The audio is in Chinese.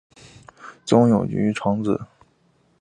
邹永煊长子。